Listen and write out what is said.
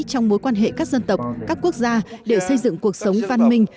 trong mối quan hệ các dân tộc các quốc gia để xây dựng cuộc sống văn minh